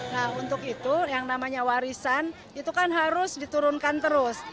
nah untuk itu yang namanya warisan itu kan harus diturunkan terus